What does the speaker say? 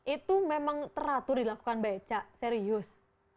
itu memang teratur dilakukan becak serius